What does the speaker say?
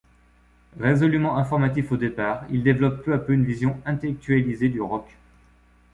Résolument informatif au départ, il développe peu à peu une vision intellectualisée du rock.